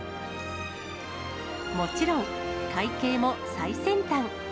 もちろん、会計も最先端。